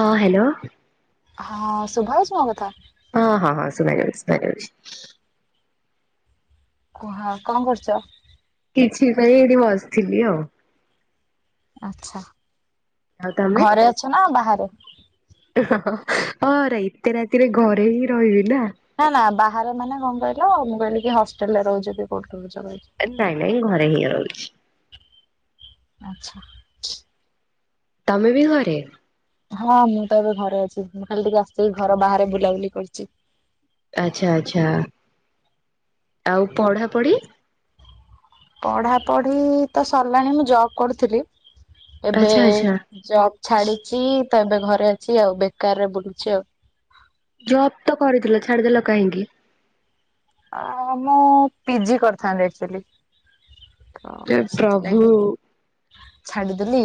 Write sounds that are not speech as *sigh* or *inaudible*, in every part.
ହଁ ହାଲୋ। ହଁ ଶୁଭା ହୋଉଛି ମୋ କଥା। ହଁ ହଁ ହଁ ଶୁଣା ଯାଉଛି ଶୁଣା ଯାଉଛି। କୁହ କଣ କରୁଛ? କିଛି ପାଇଁ ଏଇଠି ବସିଥିଲି ଆଉ ଆଛା ଆଉ ଘରେ ଅଛ ନା ବାହାରେ। ହଁରେ ଏତେ ରାତିରେ ଘରେ ହିଁ ରହିବି ନା। ନା ନା ବାହାରେ ମାନେ କଣ କହିଲ ମୁଁ କହିଲି କି ହଷ୍ଟେଲ ରେ ରହୁଚନ୍ତି କୋଉଠି ରହୁଚ *unintelligible* ନାଇଁ ନାଇଁ ଘରେ ହିଁ ରହୁଛି। ଆଚ୍ଛା। ତମେ ବି ଘରେ। ହଁ ମୁଁ ତ ଏବେ ଘରେ ଅଛି ମୁଁ ଖାଲି ଟିକେ ଆସିଛି ଘର ବାହାରେ ବୁଲାବୁଲି କରୁଚି। ଆଚ୍ଛା ଆଚ୍ଛା ଆଉ ପଢ଼ାପଢି। ପଢା ପଢି ତ ସରିଲାଣି ମୁଁ ଜବ୍ କରୁଥିଲି। ଏବେ ଆଚ୍ଛା ଆଚ୍ଛା। ଜବ୍ ଛାଡିଛି ତ ଏବେ ଘରେ ଅଛି ଆଉ ବେକାରରେ ବୁଲୁଛି ଆଉ ଜବ୍ ତ କରିଥିଲ ଛାଡିଦେଲ କାହିଁକି? ଆ ମୁଁ ପି ଜି କରିଥାନ୍ତି ଆକୁଚାଲି। ହେ ପ୍ରଭୁ। ଛାଡିଦେଲି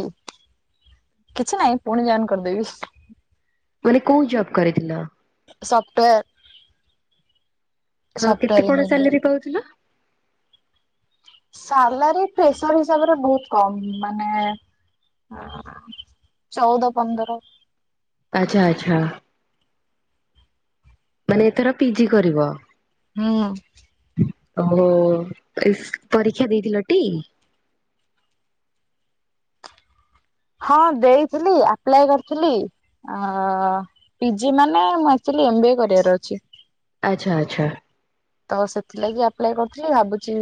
କିଛି ନାଇଁ ପୁଣି ଯଇନି କରିଦେବି। ବୋଲି କୋଉ ଜବ୍ କରିଥିଲ। ସଫ୍ଟୱେର୍ ହଁ କେତେ କଣ ସାଲେରୀ ପାଉଥିଲ? ସାଲେରୀ ପ୍ରେସର ହିସାବରେ ବହୁତ କମ ମାନେ ଚଉଦ ପନ୍ଦର ଆଚ୍ଛା ଆଚ୍ଛା ମାନେ ଏଥର ପି ଜି କରିବ। ହୁଁ। ଓହୋ ଇସି ପରୀକ୍ଷା ଦେଇଥିଲଟି। ହଁ ଦେଇଥିଲି ଆପ୍ଲାଏ କରିଥିଲି। ଆଁ ପି ଜି ମାନେ ମୁଁ ଆଚୁଆଲି ଏମ ବି ଏ କରିବାର ଅଛି। ଆଚ୍ଛା ଆଚ୍ଛା। ତ ସେଥିଲାଗି ଆପ୍ଲାଏ କରୁଥିଲ ଭାବୁଛି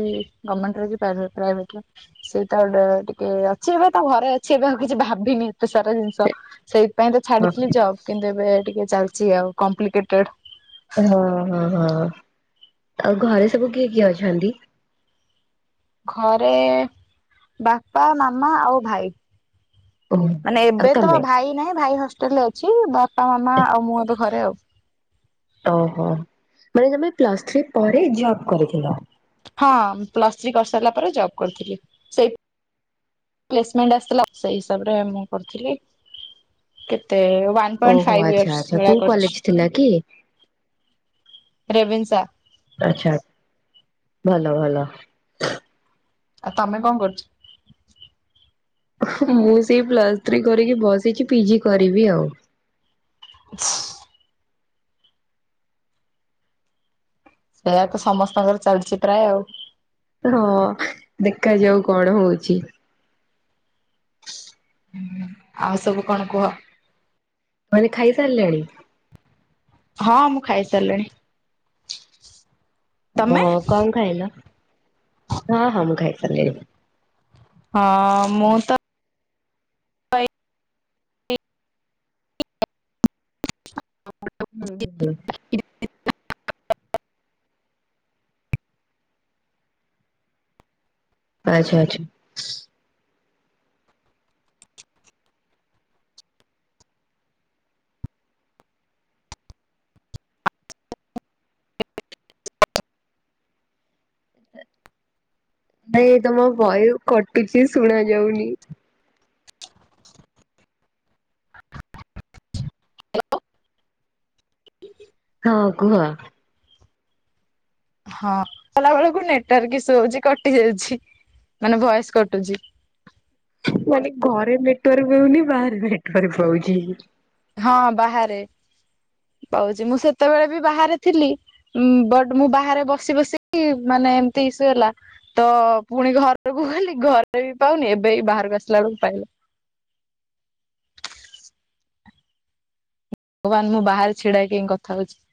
ଗମେଣ୍ଟରେ କି ପ୍ରାଇଭେଟରେ ସେଇଟା ଗୋଟେ ଟିକେ ଅଛି ଏବେ ତା ଘରେ ଅଛି ଏବେ ଆଉ କିଛି ଭାବିନି ଏତେ ସାରା ଜିନିଷ ଷ ସେଇଥିପାଇଁ ତ ହଁ। ଛାଡିଥିଲି ଜବ୍ କିନ୍ତୁ ଏବେ ଟିକେ ଚାଲିଛି ଆଉ କପ୍ଲିକେଟେଡ ହଁ ହଁ ହଁ ଆଉ ଘରେ ସବୁ କିଏ କିଏ ଅଛନ୍ତି? ଘରେ ବାପା ମାମା ଆଉ ଭାଇ। ମୁଁ। ମାନେ ଆଉ ଏବେ ତ ତମେ ଭାଇ ନାଇଁ ଭାଇ ହଷ୍ଟେଲ ରେ ଅଛି ବାପା ମାମା ଆଉ ମୁଁ ଏବେ ଘରେ ଆଉ ଓହୋ ମାନେ ତମେ ପ୍ଲସ୍ ଥ୍ରୀ ପରେ ଜବ କରିଥିଲ? ହଁ ପ୍ଲସ୍ ଥ୍ରୀ କରିସାରିଲା ପରେ ଜବ୍ କରିଥିଲି ସେଇ ପ୍ଲେସମେଣ୍ଟ୍ ଆସିଥିଲା ସେଇ ହିସାବରେ ମୁ କରିଥିଲି କେ ଟୁ ପଏଣ୍ଟ ଓହୋ ଫାଇଭ ଆଚ୍ଛା ଇଅର୍ସ ଆଚ୍ଛା ଭଳିଆ କୋଉ କଲେଜ କରିଛି ଥିଲା କି ରେଭେନ୍ସା ଆଛା ଭଲ ଭଲ। ଆଉ ତମେ କଣ କରୁଛ? ମୁଁ ସେଇ ପ୍ଲସ୍ ଥ୍ରୀ କରିକି ବସିଛି ପିଜି କରିବି ଆଉ ହ ସେଇଆ ତ ସମସ୍ତଙ୍କର ଚାଲିଛି ପ୍ରାୟ ଆଉ ହଁ ଦେଖାଯାଉ କଣ ହଉଛି? ହୁଁ ଆଉ ସବୁ କଣ କୁହ? ମୁଁ କହିଲି ଖାଇ ସାରିଲେଣି? ହଁ ମୁଁ ଖାଇ ସାରିଲିଣି। ହ ହଁ କଣ ଖାଇଲା ହଁ ହଁ ମୁଁ ଖାଇ ସାରିଲିଣି। ହଁ ମୁଁ ତ ହୁଁ। ଆଚ୍ଛା ଆଚ୍ଛା। ନାଇ ତମ ଭଏସ କଟୁଛି ଶୁଣା ଯାଉନି? ହଁ କୁହ? ହଁ କଲା ବେଳକୁ ନେଟାର୍ ଇସୁ ହଉଛି କଟି ଯାଉଛି ମାନେ ଭୟସ କଟୁଛି। ମାନେ ଘରେ ନେଟୱାର୍କ ହଉନି ବାହାରେ ନେଟୱାର୍କ ପାଉଛି। ହଁ ବାହାରେ ପାଉଛି ମୁଁ ସେତେବେଳେ ବି ବାହାରେ ଥିଲି। ବଟ ମୁଁ ବାହାରେ ବସି ବସିି ମାନେ ଏମତି ଇସୁ ହେଲା। ତ ପୁଣି ଘରକୁ ଗଲି ଘରେ ବି ପାଉନି ଏବେ ବାହାରକୁ ଆସିଲା ବେଳକୁ ପାଇଲା। ଭଗବାନ ମୁଁ ବାହାରେ ଛିଡା ହେଇକି କଥା ହଉଛି।